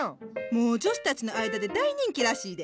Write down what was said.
もう女子たちの間で大人気らしいで。